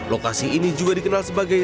lokasi ini juga dikenal sebagai